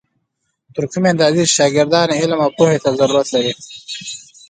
تر کومې اندازې چې شاګردان علم او پوهې ته ضرورت لري.